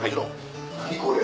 何これ。